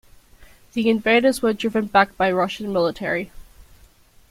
The invaders were driven back by Russian military.